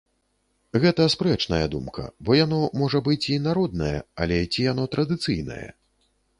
Гэта спрэчная думка, бо яно, можа быць, і народнае, але ці яно традыцыйнае?